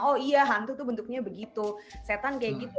oh iya hantu tuh bentuknya begitu setan kayak gitu